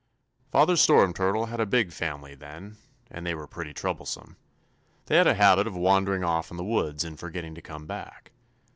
"'Father Storm Turtle had a big family then, and they were pretty troublesome. They had a habit of wandering off in the woods and forgetting to come back.